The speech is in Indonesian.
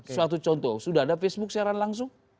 suatu contoh sudah ada facebook siaran langsung